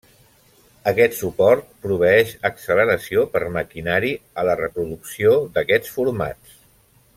Aquest suport proveeix acceleració per maquinari a la reproducció d'aquests formats.